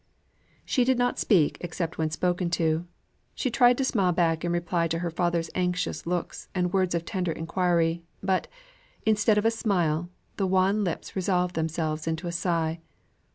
She did not speak except when spoken to; she tried to smile back in reply to her father's anxious looks and words of tender inquiry; but, instead of a smile, the wan lips resolved themselves into a sigh.